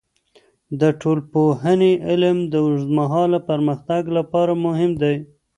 د ټولنپوهنې علم د اوږدمهاله پرمختګ لپاره مهم دی.